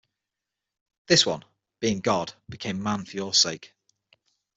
This one, being God became man for your sake.